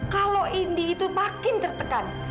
kalau indi itu makin tertekan